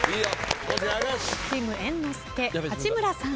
チーム猿之助八村さん。